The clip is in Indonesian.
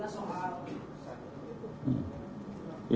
terakhir soal ini pasti koordinasi dengan pak bikram bori